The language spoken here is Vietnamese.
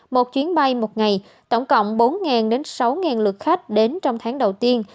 một chuyến bay một ngày tổng cộng bốn đến sáu lượt khách đến trong tháng đầu tiên